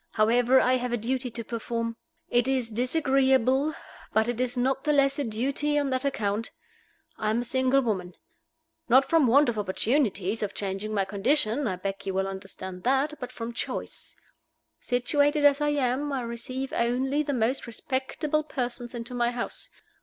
However, I have a duty to perform. It is disagreeable, but it is not the less a duty on that account. I am a single woman; not from want of opportunities of changing my condition I beg you will understand that but from choice. Situated as I am, I receive only the most respectable persons into my house.